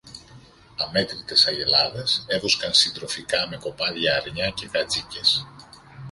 Αμέτρητες αγελάδες έβοσκαν συντροφικά με κοπάδια αρνιά και κατσίκες.